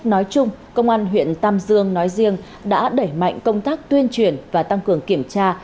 nói chung công an huyện tam dương nói riêng đã đẩy mạnh công tác tuyên truyền và tăng cường kiểm tra